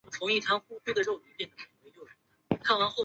佐渡金山是一座位于日本新舄县佐渡市的金矿。